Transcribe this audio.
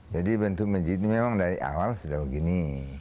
jadi bentuk masjid ini memang dari awal sudah begini